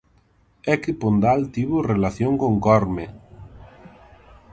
É que Pondal tivo relación con Corme.